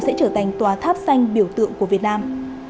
sẽ trở thành tòa tháp xanh biểu tượng của việt nam